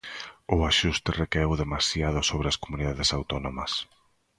O axuste recaeu demasiado sobre as comunidades autónomas.